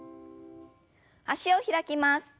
脚を開きます。